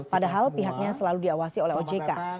padahal pihaknya selalu diawasi oleh ojk